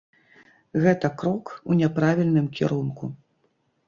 Гэта крок у няправільным кірунку.